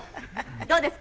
どうです？